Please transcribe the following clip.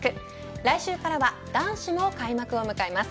来週からは男子も開幕を迎えます。